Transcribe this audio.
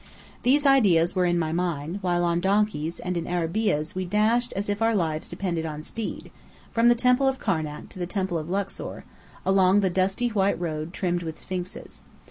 These ideas were in my mind, while on donkeys and in arabeahs we dashed as if our lives depended on speed, from the Temple of Karnak to the Temple of Luxor, along the dusty white road trimmed with sphinxes.